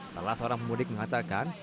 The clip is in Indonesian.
salah seorang pemudik mengatakan